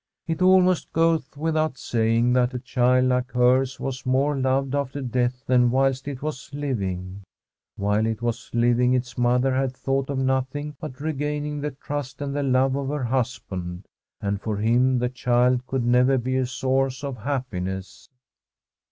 It almost goes without saying that a child like hers was more loved after death than whilst it was living. While it was living its mother had thought of nothing but regaining the trust and the love of her husband. And for him the child could never be a source of happiness.